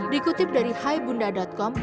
dikutip dari hai bunda dada